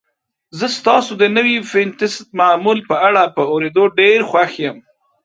زه ستاسو د نوي فټنس معمول په اړه په اوریدو ډیر خوښ یم.